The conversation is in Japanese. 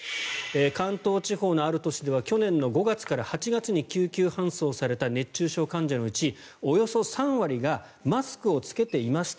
関東地方のある都市では去年の５月から８月に救急搬送された熱中症患者のうちおよそ３割がマスクを着けていました。